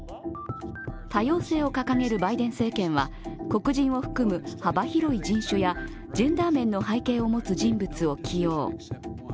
多様性を掲げるバイデン政権は黒人を含む、幅広い人種やジェンダー面の背景を持つ人物を起用。